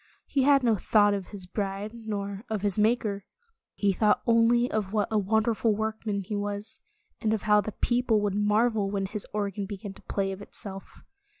He had no thought of his bride nor of his Maker. He thought only of what a wonderful workman he was, and of how the people would marvel when his organ began to play of itself.